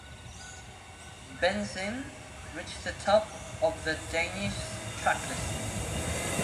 "Benzin" reached the top of the Danish Tracklisten.